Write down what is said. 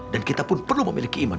kita pun perlu memiliki iman